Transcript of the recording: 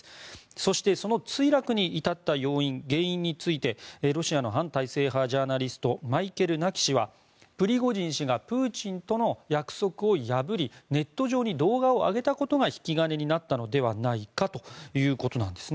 そしてその墜落に至った要因、原因についてロシアの反体制派ジャーナリストマイケル・ナキ氏はプリゴジン氏がプーチンとの約束を破りネット上に動画を上げたことが引き金になったのではないかということです。